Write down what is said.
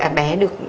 à bé được hai tuổi